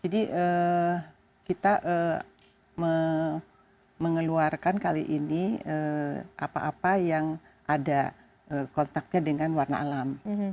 jadi kita mengeluarkan kali ini apa apa yang ada kontaknya dengan warna alam